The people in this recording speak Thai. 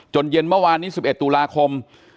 เย็นเมื่อวานนี้๑๑ตุลาคม